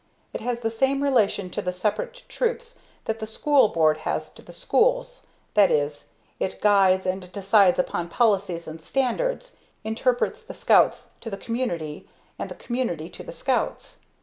It has the same relation to the separate Troops that the school board has to the schools, that is; it guides and decides upon policies and standards, interprets the Scouts to the community and the community to the Scouts.